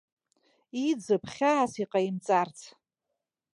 Иӡып хьаас иҟаимҵарц.